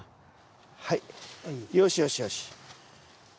はいよしよしよし。